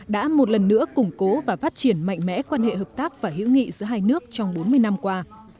đã một lần nữa củng cố và phát triển mạnh mẽ quan hệ hợp tác và hữu nghị giữa hai nước trong bốn mươi năm qua